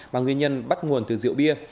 mà nguyên nhân bắt nguồn từ rượu bia